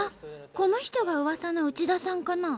この人がうわさのウチダさんかな？